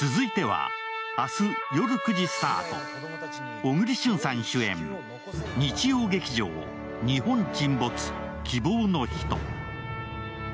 続いては明日夜９時スタート、小栗旬さん主演日曜劇場「日本沈没−希望のひと−」。